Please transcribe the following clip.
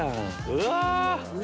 うわ！